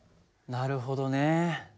なるほどね。